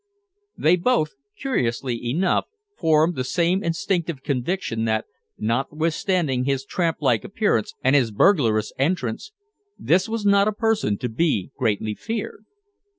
They both, curiously enough, formed the same instinctive conviction that, notwithstanding his tramplike appearance and his burglarious entrance, this was not a person to be greatly feared.